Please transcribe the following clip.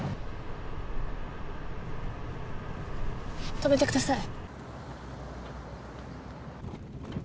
止めてください。